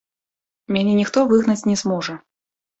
Мяне ніхто выгнаць не зможа.